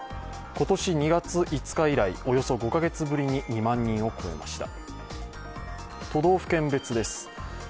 今年２月５日以来およそ５カ月ぶりに２万人を超えました。